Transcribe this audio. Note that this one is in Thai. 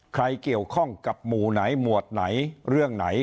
ใครเกี่ยวข้องกับหมู่ไหนหมวดไหนเรื่องไหน